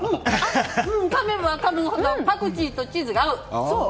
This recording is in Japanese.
かめばかむほどパクチーとチーズが合う！